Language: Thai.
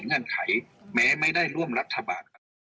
งานไขแม้ไม่ได้ร่วมรัฐบาล